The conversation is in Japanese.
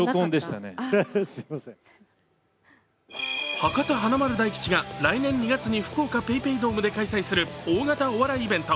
博多華丸・大吉が来年２月に福岡ＰａｙＰａｙドームで開催する大型お笑いイベント